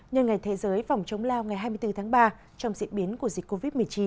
nhân ngày thế giới phòng chống lao ngày hai mươi bốn tháng ba trong diễn biến của dịch covid một mươi chín